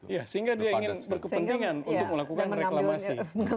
ya sehingga dia ingin berkepentingan untuk melakukan reklamasi